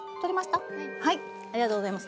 ありがとうございます。